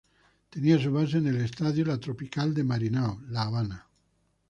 Tenían su base en el Estadio La Tropical de Marianao, La Habana.